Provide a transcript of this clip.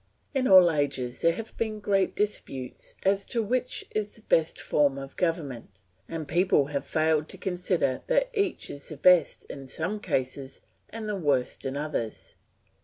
In all ages there have been great disputes as to which is the best form of government, and people have failed to consider that each is the best in some cases and the worst in others.